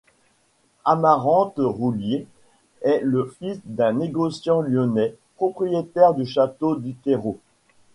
Amaranthe Roulliet est le fils d'un négociant lyonnais, propriétaire du château du Terreau.